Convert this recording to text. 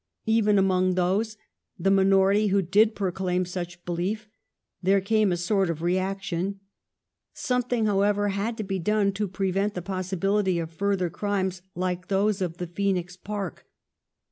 Even among those, the minority, who did proclaim such belief, there came a sort of reaction. Something, however, had to be done to prevent the possibility of fur ther crimes like those of the Phoenix Park.